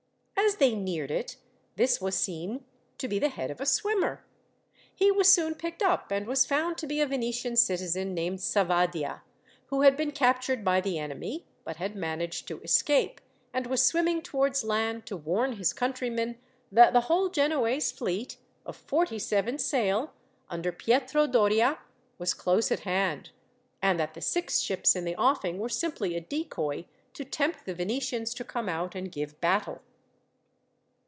As they neared it, this was seen to be the head of a swimmer. He was soon picked up, and was found to be a Venetian citizen, named Savadia, who had been captured by the enemy, but had managed to escape, and was swimming towards land to warn his countrymen that the whole Genoese fleet, of forty seven sail, under Pietro Doria, was close at hand; and that the six ships in the offing were simply a decoy, to tempt the Venetians to come out and give battle.